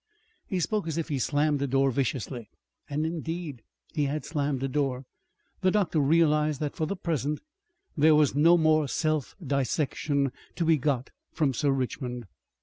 He spoke as if he slammed a door viciously. And indeed he had slammed a door. The doctor realized that for the present there was no more self dissection to be got from Sir Richmond.